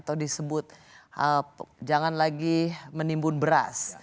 atau disebut jangan lagi menimbun beras